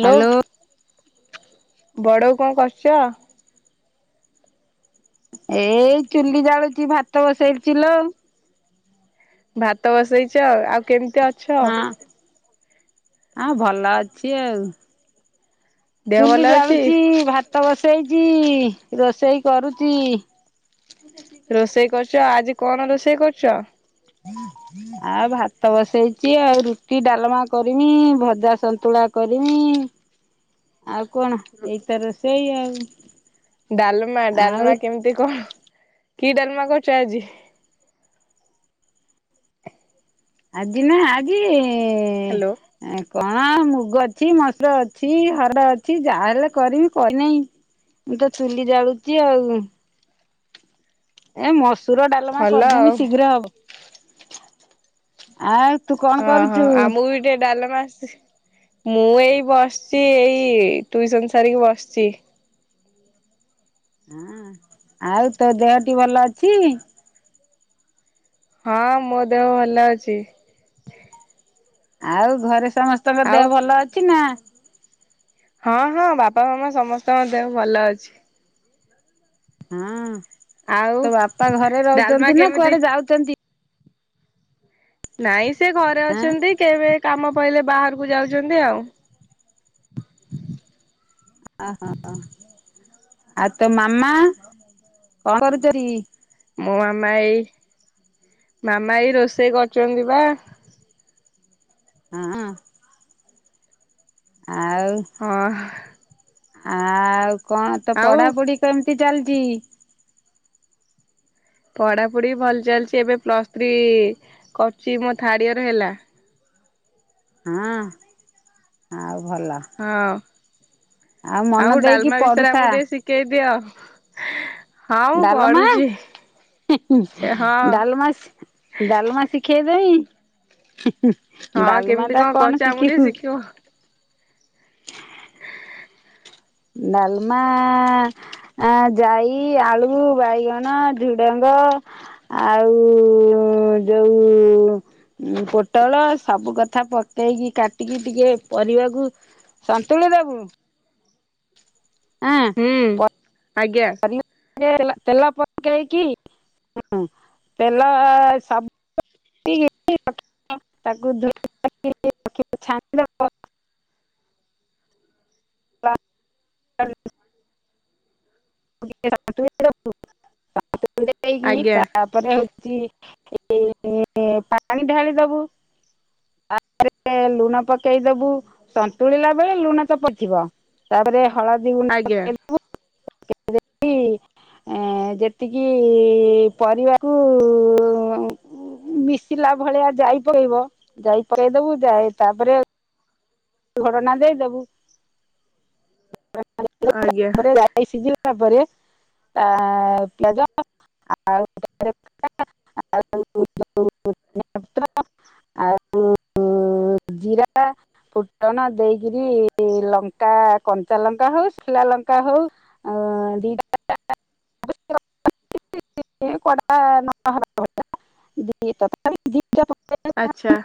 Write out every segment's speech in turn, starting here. Hello hello. ବଡ଼ ବୋଉ କଣ କରୁଛ? ଏଇ ଚୁଲି ଜାଳୁଚି ଭାତ ବସେଇଚି ଲୋ। ଭାତ ବସେଇଛ ଆଉ କେମ ହଁ ଆ ଭଲ ଅଛି ଆଉ। ଦେହ ଭଲ ଚୁଲି ଅଛି? ଜାଳୁଛି ଭାତ ବସେଇଛି ରୋଷେଇ କରୁଛି। ରୋଷେଇ କରୁଛ ଆଜି କଣ ରୋଷେଇ କରୁଛ? ଆ ଭାତ ବସେଇଛି ଆଉ ରୁ ଟି ଡାଲେମା କରିମି ଭଜା ସନ୍ତୁଳା କରିମି ଆଉ କଣ ଏ ତ ରୋସେଇ ଆଉ ଡଲମା ଆଉ ଡାଲେମା କେମିତି କଣ କି ଡାଲମା କରୁଛ ଆଜି? ଆଜିି ନା ଆଜି ହ୍ୟାଲୋ ଏ କଣ ମୁଗ ଅଛି ମସୁର ଅଛି ହରଡ଼ ଅଛି ଯାହାହେଲେ କରିବି କରିନେଇ। ମୁଁ ତ ଚୁଲି ଜାଳୁଚି ଆଉ ଏ ମସୁର ଡାଲମା ଭଲ କରିଦେମି ଆଉ ଶୀଘ୍ର ହବ ଆଉ ତୁ କଣ କରୁଛୁ? ଡେ ଡାଲେମା ଆସେ ମୁଁ ଏଇ ବସିଛି। ଏଇ ଟ୍ୟୁସନ ସାରିକି ବସିଛି। ହଁ ଆଉ ତୋ ଦେହଟି ଭଲ ଅଛି? ହଁ ମୋ ଦେହ ଭଲ ଅଛି। ଆଉ ଘରେ ସମସ୍ତଙ୍କ ଆଉ ଦେହ ଭଲ ଅଛି ନା ହଁ ହଁ ବାବା ମାମା ସମସ୍ତଙ୍କ ଦେହ ଭଲ ଅଛି। ହଁ ଆଉ ତୋ ବାପା ଘରେ ଡାଲମା ରହୁଛନ୍ତି ନା କେମିତି କୁଆଡେ ଯାଉଛନ୍ତି? ନାଇଁ ସେ ଘରେ ଅଛନ୍ତି। କେବେ କାମ ପଇଲେ ବାହାରକୁ ଯାଉଛନ୍ତି ଆଉ। ଓହୋ ଆଉ ତୋ ମାମା କଣ କରୁଛନ୍ତି? ମୋ ମାମା ଏଇ ମାମା ଏଇ ରୋଷେଇ କରୁଛନ୍ତି ବା। ହଁ। ଆଉ ହଁ। ଆଉ କଣ ତ ଆଉ ପଢାପଢି କେମିତି ଚାଲିଚି? ପଢାପଢ଼ି ଭଲ ଚାଲିଚି ଏବେ ପ୍ଲସ୍ ଥ୍ରୀ କରୁଚି ମୋ ଥାର୍ଡ ଇୟର ହେଲା। ହଁ ଆଉ ଭଲ। ହଁ ମନ ଆଉ ଦେଇକି ଡାଲମା ବିଷୟରେ ପଢୁଥା। ଆମକୁ ଟିକେ ସି କେଇ ଦିଅ। ହଁ ମୁଁ ଡାଲମା ପଢୁଛି ହଁ। ଡାଲମା ସି ଡାଲମା ଶିଖେଇଦେମୀ ହଁ ଡାଲମା କେମିତି ଟା କରୁଛ କଣ ଆମକୁ ଟିକେ ଶିଖିବୁ ଶିଖିବ ଡାଲମା ଆ ଜାଇ ଆଳୁ ବାଇଗଣ ଝୁଡଙ୍ଗ ଆଉ ଯୋଉ ଉ ପୋଟଳ ସବୁ କଥା ପକେଇକି କାଟିକି ଟିକେ ପରିବାକୁ ସନ୍ତୁଳି ଦେବୁ। ହୁଁ ଆଜ୍ଞା। [inaudible] ତେଲ ପକେଇ କି ହୁଁ ତେଲ ସବୁ [unintelligible] [unintelligible] ତାପରେ ଆଜ୍ଞା ହଉଛି ଏ ପାଣି ଢାଳି ଦବୁ ତାପରେ ଲୁଣ ପକେଇଦବୁ ସନ୍ତୁଳିଲା ବେଳେ ଲୁଣ ତ ପଥିବ। ତାପରେ ହଳଦୀ ଗୁଣ୍ଡ ଆଜ୍ଞା ପକେଇଦବୁ ପକେଇ ଦେଇକି ଏ ଯେତିକି ପରିବାକୁ ମିଶିଲା ଭଳିଆ ଯାଇ ପକେଇବ ଯାଇ ପକେଇଦବୁ ଯାଇ ତାପରେ ଘୋଡଣା ଦେଇଦବୁ ଆଜ୍ଞା [unintelligible] ଜାଇ ସିଝିଲା ପରେ ଆ ପିଆଜ [unintelligible] ଆଉ ଉ ଉ ଜିରା ଫୁଟଣ ଦେଇକିରି ଲଙ୍କା କଞ୍ଚା ଲଙ୍କା ହଉ ସୁଖିଲା ଲଙ୍କା ହଉ ଆ ଜିରାଟା [inaudible] [inaudible] [inaudible] ଆଚ୍ଛା।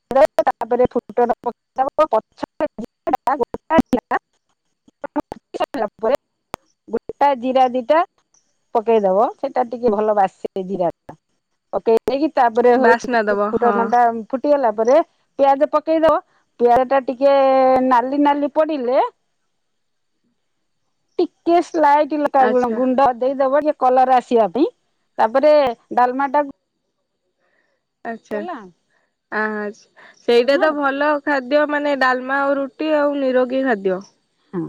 [inaudible] [inaudible] ପରେ ଗୋଟା ଜିରା ଦିଟା ପକେଇଦବ ସେଟା ଟିକେ ଭଲ ବାସେ ଜିରାଟା। ପକେଇ ଦେଇକି ତାପରେ ବାସ୍ନା ହଉଛି ଦବ ହଁ ଫୁଟଣଟା ଫୁଟିଗଲା। ତାପରେ ପିଆଜ ପକେଇଦବ ପିଆଜଟା ଟିକେ ନାଲି ନାଲି ପଡିଲେ ଟିକେ ସ୍ଲାଇଟି ଲଙ୍କା ଆଚ୍ଛା ଗୁଣ୍ଡ ଦେଇଦବ ଟିକେ କଲର ଆସିବା ପାଇଁ ତାପରେ ଡାଲମାଟା ଆଚ୍ଛା ଆ ସେଇଟା ଡାଲମା ତ ହଁ ଭଲ। ଖାଦ୍ୟ ମାନେ ଡାଲମା ଆଉ ରୁଟି ଆଉ ନିରୋଗୀ ଖାଦ୍ୟ। ହଁ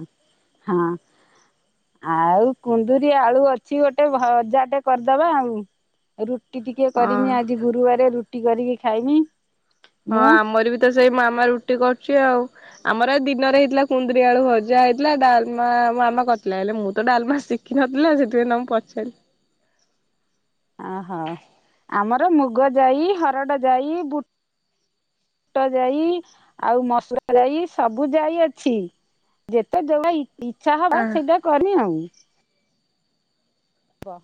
ହଁ ଆଉ କୁନ୍ଦୁରି ଆଳୁ ଅଛି ଗୋଟେ ଭଜାଟେ କରିଦେବା ଆଉ ରୁଟି ଟିକେ ହଁ କରିମି ଆଜି ଗୁରୁବାର ରୁଟି କରିକି ଖାଇମି। ହଁ ମୁଁ ଆମର ବି ତ ସେଇ ମାମା ରୁଟି କରୁଚି ଆଉ ଆମର ଏ ଦିନରେ ହେଇଥିଲା କୁନ୍ଦୁରି ଆଳୁ ଭଜା ହେଇଥିଲା ଡାଲମା ମୋ ମାମା କରିଥିଲା ହେଲେ ମୁଁ ତ ଡାଲମା ଶି ଶିଖିନଥିଲା ନା ସେଇତି ପାଇଁ ତୁମକୁ ପଚାଲି। ଓହୋ ଆମର ମୁଗ ଯାଇ ହରଡ଼ ଯାଇ ବୁ ବୁଟ ଯାଇ ଆଉ ମସଲା ଯାଇ ସବୁ ଯାଇ ଅଛି। ଯେତେ ଯୋ ଇଚ୍ଛା ହବ ଆ ସେଇଟା କରିମି ଆଉ ବ।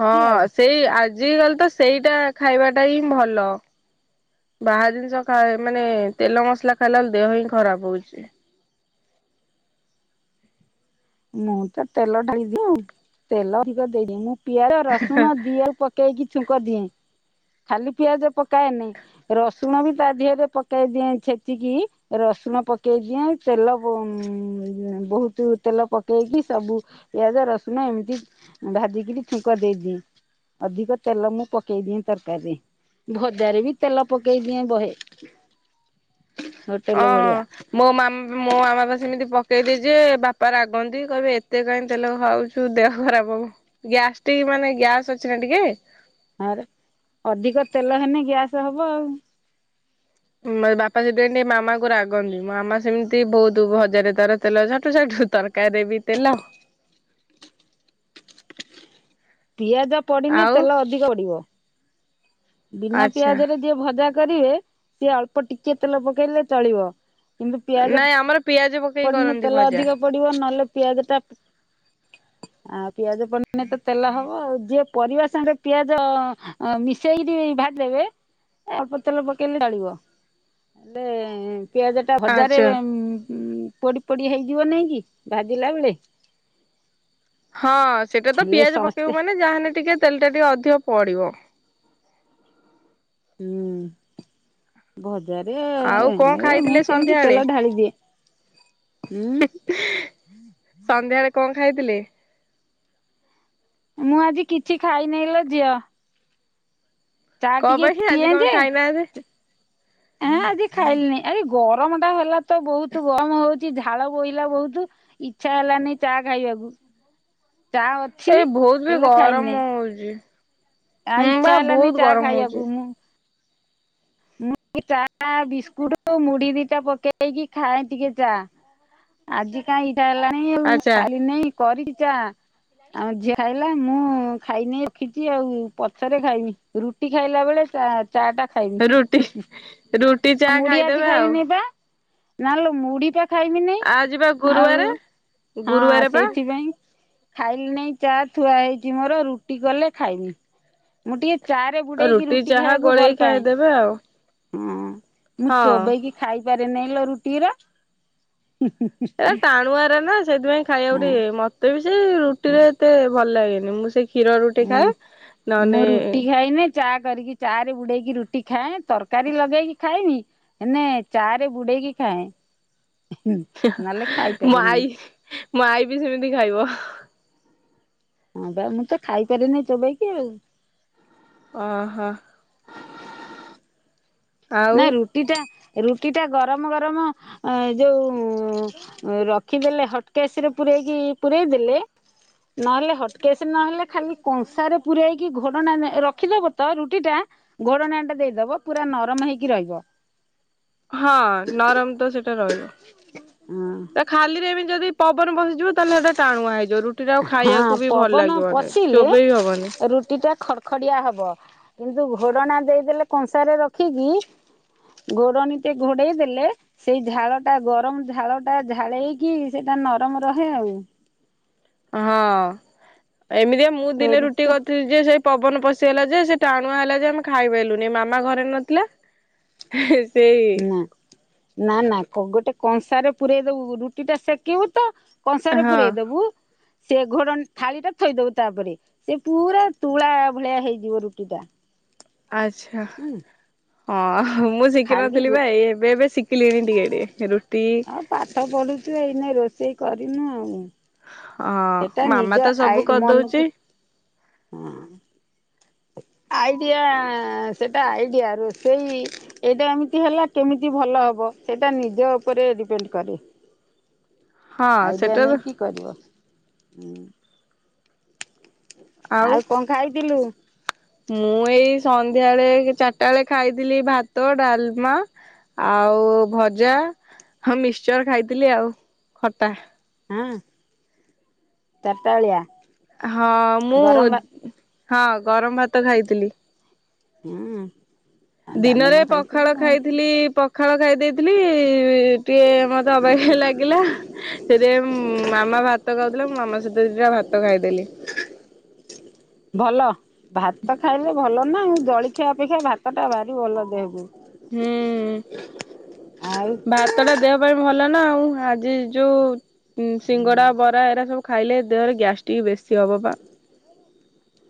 ହଁ ସେଇ ଆଜିକାଲି ତ ସେଇଟା ଖାଇବାଟା ହିଁ ଭଲ। ବାହାର ଜିନିଷ ଖାଇ ମାନେ ତେଲ ମସଲା ଖାଇଲା ବେଳେ ଦେହ ହିଁ ଖରାପ ହଉଚି। ମୁଁ ତ ତେଲ ଢାଳି ଦିଏ ତେଲ ଅଧିକ ଦେଇ ଦିଏ ମୁଁ ପିଆଜ ରସୁଣ ଦି ଆଉ ପକେଇକି ଛୁଙ୍କ ଦିଏ ଖାଲି ପିଆଜ ପକାଏନି ର ସୁଣ ବି ତା ଦିହେରେ ପକେଇ ଦିଏ ଛେଚିକି ରସୁଣ ପକେଇ ଦିଏ ତେଲ ଉଁ ବହୁତ। ତେଲ ପକେଇକି ସବୁ ପିଆଜ ରସୁଣ ଏମିତି ଭାଜିକିରି ଛୁଙ୍କ ଦେଇଦିଏ। ଅଧିକ ତେଲ ମୁଁ ପକେଇ ଦିଏ ତରକାରୀରେ ଭଜାରେ ବି ତେଲ ପକେଇ ଦିଏ ବହେ। ହ ଅ। ମୋ ମାମା ମୋ ମାମା ପା ସେମିତି ପକେଇ ଦିଏଯେ ବାପା ରାଗନ୍ତି କହିବେ ଏତେ କାହିଁ ତେଲ ଖାଉଚୁ? ତୁ ଦେହ ଖରାପ ହବ ଗ୍ୟାସଟିକ୍ ମାନେ ଗ୍ୟାସ୍ ଅଛି ନା ଟିକେ। ଆରେ ଅଧିକ ତେଲ ହେନେ ଗ୍ୟାସ ହବ ଆଉ ମୋ ବାପା ଜଦି ମାମାକୁ ରାଗନ୍ତି ମୋ ମାମା ସେମିତି ବହୁତ ଭଜାରେ ତାର ତେଲ ଝାଠୁ ଝାଠୁ ତାର ତାରକାରିରେ ବି ତେଲ। ପିଆଜ ପଡ଼ିନେ ଆଉ ତେଲ ଅଧିକ ପଡ଼ିବ। ବିନା ଆଚ୍ଛା ପିଆଜରେ ଯିଏ ଭଜା କରିବେ ସିଏ ଅଳ୍ପ ଟିକେ ତେଲ ପକେଇଲେ ଚଳିବ। ନାଇଁ ଆମର ପିଆଜ ପ ପଡିନି ତେଲ ଅଧିକ ପଡିବ ନହେଲେ ପିଆଜ ଟା ଅଁ ପିଆଜ ପ ଆମେ ତ ତେଲ ହବ ଯିଏ ପରିବା ସାଙ୍ଗରେ ପିଆଜ ମିଶେଇକିରି ଭାଜିଦେବେ। ଅଳ୍ପ ତେଲ ପକେଇଲେ ଚଳିବ ହେଲେ ପିଆଜଟା ଭଜାରେ। ଆଚ୍ଛା। ପୋଡି ପୋଡି ହେଇଯିବ ନାଇଁ କି ଭାଜିଲା ବେଳେ। ହଁ ସେଟା ତ ହେଲେ ପିଆଜ ସମସ୍ତେ ପକେଇବୁ ମାନେ ଯାହାହେନେ ଟିକେ ତେଲଟା ଟିକେ ଅଧିକ ପଡିବ। ଉୁଁ। ଭଜାରେ ଆଉ ହେ କଣ ମୁଁ ଖାଇଥିଲେ ସେମିତି ସନ୍ଧ୍ୟାବେଳେ ତେଲ ଢାଳି ଦିଏ। ସନ୍ଧ୍ୟାରେ କଣ ଖାଇଥିଲେ? ମୁଁ ଆଜି କିଛି ଖାଇନାଇ ଲୋ ଝିଅ। ଚା କଣ ଟିକେ ପାଇଁ କି ପିଏ ଆଜି କଣ ଯେ ଖାଇନାହାଁନ୍ତି? ଏଁ ଆଜି ଖାଇଲିନି ଆଜି ଗରମ ଟା ହେଲା ତ ବହୁତୁ ଗମ ହଉଛିି ଝାଳ ବୋହିଲା ବହୁତୁ ଇଛା ହେଲାନି ଚା ଖାଇବାକୁୁ। ଚା ଅଛି ଏଇ ବହୁତ ବି ହେଲେ ଖାଇଲି ନାଇଁ। ଗରମ ହଉଛି ଆଉ ହୁଁ ବା ଇଚ୍ଛା ହେଲାନି ବହୁତ ଚା ଗରମ ହଉଛି ଖାଇବାକୁ ମୁଁ ମୁଁ ଚା ବିସ୍କୁଟୁ ମୁଢି ଦିଟା ପକେଇକି ଖାଏଁ ଟିକେ ଚା। ଆଜି କାଇଁ ଇଚ୍ଛା ହେଲା ନାଇଁ ଆଉ ଆଚ୍ଛା ଖାଇଲି ନାଇଁ କରିକି ଚା ଆମ ଝିଅ ଖାଇଲା ମୁଁ ଖାଇନି ରଖିଛି ଆଉ ପଛରେ ଖାଇମି। ରୁଟି ଖାଇଲା ବେଳେ ଚା ଚା ଟା ଖାଇବି। ରୁଟି ରୁଟି ଚା ଖାଇଦେବେ ଆଉ। ନା ଲୋ ମୁଢି ପା ଖାଇମି ନାଇଁ ଆଜି ବା ଆଉ ଗୁରୁବାରେ ହଁ ଗୁରୁବାର ପା ସେଇଥିପାଇଁ ଖାଇଲି ନାଇଁ ଚା ଥୁଆ ହେଇଛି ମୋର ରୁଟି କଲେ ଖାଇମି। ମୁଁ ଟିକେ ଚା ରେ ବୁଡେଇକି ରୁଟି ଖାଇବାକୁ ଭଲ ପାଏଁ। ଦେବେ ଆଉ। ହୁଁ ମୁଁ ହଁ ଚୋବେଇକି ଖାଇପାରେନାଇଁ ଲୋ ରୁଟି ଗୁରା ଏ ଟାଣୁଆ ଏରା ନା ସେଥିପାଇଁ ଖାଇବାକୁ ହଁ। ଟିକେ ଇଏ ମତେ ବି ସିଏ ରୁଟିରେ ଏତେ ଭଲ ଲାଗେନି ମୁଁ ସେଇ କ୍ଷୀର ରୁଟି ମୁଁ ଖାଇ ମୁଁ ନହେନେ ରୁଟି ଖାଇନି ଚା କରିକି ଚା ରେ ବୁଡେଇକି ରୁଟି ଖାଏ ତରକାରୀ ଲଗେଇକି ଖାଏବି ହେନେ ଚା ରେ ବୁଡେଇକି ଖାଏ। ନହେଲେ ମୋ ଖାଇପାରେନି। ଆଇ ମୋ ଆଇ ବି ସିମିତି ଖାଇବ। ହଁ ବା ମୁଁ ତ ଖାଇପାରି ନେଇ ଚୋବୋଇକି ଆଉ। ଓହୋ ଆଉ ନାଇ ରୁଟି ଟା ରୁଟି ଟା ଗରମ ଗରମ ଅ ଏ ଯୋଉଁ ରଖିଦେଲେ ହଟକେସରେ ପୁରେଇକି ପୁରେଇ ଦେଲେ ନହେଲେ ହଟକେେସ ନହେଲେ ଖାଲି କଂସାରେ ପୁରେଇକି ଘୋଡଣା ରଖିଦବ ତ ରୁଟି ଟା ଘୋଡଣା ଟା ଦେଇଦବ ପୁରା ନରମ ହେଇକି ରହିବ। ହଁ ନରମ ତ ସେଟା ରହିବ ହଁ ତାକ ଖାଲିରେ ବି ଯଦି ପବନ ପସିଯିବ ତାହେଲେ ସେଇଟା ଟାଣୁଆ ହେଇଯିବ ରୁ ରୁଟି ଟା ଆଉ ହଁ ଖାଇବାକୁ ବି ଭଲ ପବନ ଲାଗିବ ନାଇ ପଶିଲେ ଚୋବେଇ ହବନି। ରୁଟି ଟା ଖଡ୍ ଖଡିଆ ହବ, କିନ୍ତୁ ଘୋଡଣା ଦେଇଦେଲେ କଂସାରେ ରଖିକି ଘୋଡ଼ଣୀ ଟେ ଘୋଡେଇ ଦେଲେ ସେଇ ଝାଳ ଟା ଗରମ ଝାଳ ଟା ଝାଳେଇକି ସେଇଟା ନରମ ରହେ ଆଉ। ହଁ, ଏମିତିଆ ମୁଁ ସେଇ ଦିନେ ରୁଟି ରୁଟିଟା କରିଥିଲି ଯେ ସେଇ ପବନ ପଶିଗଲା ଯେ ସେ ଟାଣୁଆ ହେଲା ଯେ ଆମେ ଖାଇପାଇଲୁନି ମାମା ଘରେ ନଥିଲା ହେ ସେଇ ନା ନା ନା କ ଗୋଟେ କଂସାରେ ପୁରେଇ ଦବୁ ରୁଟିଟା ସେକିବୁ ତ କଂସାରେ ହଁ ପୁରେଇଦବୁ ସେ ଘୋଡ଼ ଥାଳିଟା ଥୋଇଦବୁ ତାପରେ ସେ ପୁରା ତୁଳା ଭଳିଆ ହେଇଯିବ ରୁଟି ଟା। ଆଚ୍ଛା। ହୁଁ ହଁ ମୁଁ ଖାଲି ଶିଖିନଥିଲି ବା ଏଇ ଏବେ ଏବେ ଶିଖିଲିଣିି ଟିକେ ଟିକେ ରୁଟି ଆଉ ପାଠ ପଢୁଛୁ ଏଇନେ ରୋଷେଇ କରିନୁ ଆଉ। ହଁ ସେଟା ମାମା ନିଜ ତ ସବୁ ଆଇଡ କରିଦଉଛି ମନୁକୁ ଆଇଡିଆ ସେଇଟା ଆଇଡ଼ିଆ ରୋଷେଇ ଏଇଟା ଏମିତି ହେଲା କେମିତି ଭଲ ହବ ସେଇଟା ନିଜ ଉପରେ ଡିପେଣ୍ଡ କରେ। ହଁ ଆଇଡ଼ିଆ ସେଟା ନେଇକି କରିବ ହୁଁ। ଆଉ କଣ ଖାଇଥିଲୁ? ମୁଁ ଏଇ ସନ୍ଧ୍ୟାବେଳେ ହେଇକି ଚାରିଟା ବେଳେ ଖାଇଥିଲି ଭାତ ଡାଲମା ଆଉ ଭଜା ହଁ ମିକ୍ସଚର ଖାଇଥିଲି ଆଉ ଖଟା। ହଁ ଚାରିଟା ଓଳିଆ ହଁ ମୁଁ ହଁ ଗରମ ଭାତ ଖାଇଥିଲି। ହୁଁ ଦିନରେ ଡାଲମା ଖାଇଥିଲୁ ପଖାଳ ଆଉ ଖାଇଥିଲି ପଖାଳ ଖାଇ ଦେଇଥି ଥିଲି ଟିକେ ମତେ ଅବାଗିଆ ଲାଗିଲା ସେଇଥିପାଇଁ ମାମା ଭାତ ଖାଉ ମାମା ସହିତ ଦିଟା ଭାତ ଖାଇଦେଲି। ଭଲ, ଭାତ ଖାଇଲେ ଭଲ ନା ଜଳଖିଆ ଅପେକ୍ଷା ଭାତ ଟା ଭାରି ଭଲ ଦେହକୁ। ହୁଁ। ଆଉ ଭାତ ଟା ଦେହ ପାଇଁ ଭଲ ନା ଆଉ ଆଜି ଯୋଉ ସିଙ୍ଗଡା ବରା ଏରା ସବୁ ଖାଇଲେ ଦେହରେ ଗ୍ୟାସଟିକ ବେଶୀ ହେବ ପା।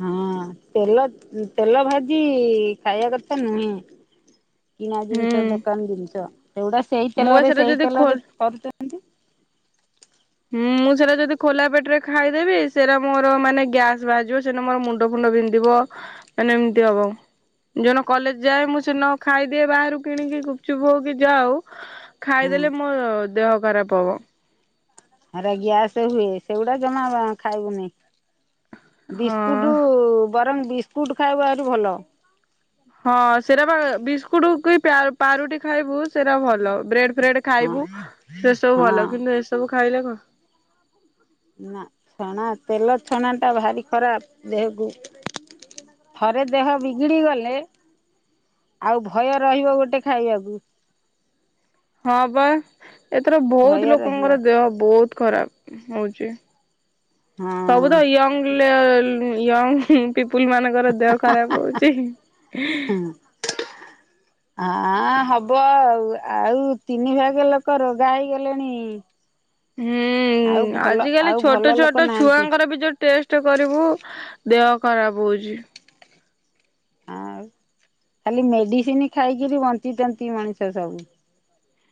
ହଁ ତେଲ ତେଲ ଭାଜି ଖାଇବା କଥା ନୁହେଁ। କିଣା ଜିନିଷ ହୁଁ ଦୋକାନ ଜିନିଷ ସେଗୁଡା ସେଇ ମୁଁ ବା ତେଲରେ ସେଟା ସେଇ ଯଦି ଖୋଲ ତେଲରେ କରୁଛନ୍ତି। ହୁଁ ମୁଁ ସେଇରା ଯଦି ଖୋଲା ପେଟରେ ଖାଇଦେବି ସେଇରା ମୋର ମାନେ ଗ୍ୟାସ ବାହାରିଯିବ। ସେଦିନ ମୋର ମୁଣ୍ଡ ଫୁଣ୍ଡ ବିନ୍ଧିବ ମାନେ ଏମତି ହବ। ଯୋଉଦିନ କଲେଜ ଯାଏ ମୁଁ ସେଦିନ ଖାଇଦିଏ ବାହାରୁ କିଣିକି ଗୁପଚୁପ୍ ହଉକି ଯାହା ହଉ ହଁ ଖାଇଦେଲେ ମୋ ଦେହ ଖରାପ ହବ। ସେଇରା ଗ୍ୟାସ ହୁଏ ସେଗୁଡା ଜମା ବାଖାଇବୁନି। ହଁ। ବିସ୍କୁଟ ବରଂ ବିସ୍କୁଟ ଖାଇବୁ ଆହୁରି ଭଲ। ହଁ ସେଇରା ବା ବିସ୍କୁଟ କି ପିଆ ପାଉରୁଟି ଖାଇବୁ ସେରା ଭଲ। ବ୍ରେଡ ଫ୍ରେଡ ହଁ ଖାଇବୁ ସେ ସବୁ ହଁ ଭଲ କିନ୍ତୁ ଏସବୁ ଖାଇଲେ କଣ ନା ଛଣା ତେଲ ଛଣା ଟା ଭାରି ଖରାପ ଦେହକୁ। ଥରେ ଦେହ ବିଗିଡି ଗଲେ ଆଉ ଭୟ ରହିବ ଗୋଟେ ଖାଇବାକୁ। ହଁ ବା ଏଥର ଭୟ ବହୁତ ରହିବ ଲୋକଙ୍କର ଦେହ ବହୁତ ଖରାପ ହଉଚି। ହଁ ସବୁ ତ ୟଙ୍ଗ ଲ୍ୟ ୟଙ୍ଗ ପିପୁଲ୍ ମାନଙ୍କ ତାଙ୍କର ଦେହ ଖରାପ ହଉଛି। [unintelligible] ଆଁ ହବ ଆଉ ଆଉ ତିନି ଭାଗ ଲୋକ ରୋଗା ହେଇଗଲେଣି। [inaudible] ହୁଁ ଆଉ ଭଲ ଆଜିକାଲି ଆଉ ଭଲ ଛୋଟ ଲୋକ ଛୋଟ ନାହାନ୍ତି ଛୁଆଙ୍କର ବି ଯୋଉ ଟେଷ୍ଟ କରିବୁ ଦେହ ଖରାପ ହଉଛି। ଆଉ ଖାଲି ମେଡିସିନ ଖାଇକିରି ବଞ୍ଚିଚନ୍ତି ମଣିଷ ସବୁ।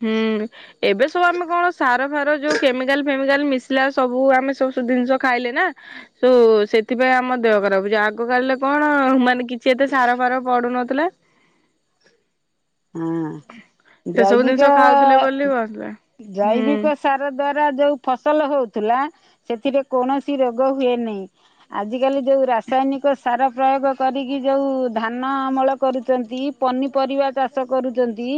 ହୁଁ। ଏବେ ସବୁ ଆମେ କଣ ସାର ଫାର ଯୋଉ କେମିକାଲ ଫେମିକାଲ ମିଶିଲା ସବୁ ଆମେ ସବୁୁ ଜିନିଷ ଖାଇଲେ ନା ସୋ ସେଥିପାଇଁ ଆମ ଦେହ ଖରାପ ହଉଛି ଆଗ କାଳରେ କଣ ମାନେ କିଛି ଏତେ ସାର ଫାର ପଡୁନଥିଲା। ହଁ ସେ ସବୁ ଜୈବିକ ଜିନିଷ ଖାଉଥିଲେ ବୋଲି ବସିଲେ ହୁଁ। ଜୈବିକ ଶ୍ ସାର ଦ୍ଵାରା ଯୋଉ ଫସଲ ହଉଥିଲା ସେଥିରେ କୌଣସି ରୋଗ ହୁଏ ନେହିଁ। ଆଜ କାଲି ଯୋଉ ରାସାୟନିକ ସ୍ ସାର ପ୍ରୟୋଗ କରିକି ଯୋଉ ଧାନ ଅମଳ କରୁଛନ୍ତି ପନିପରିବା ଚାଷ ଚାଷ କରୁଛନ୍ତି।